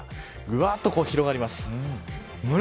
ぐわっと広がります。